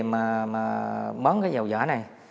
mà bán cái dầu giả này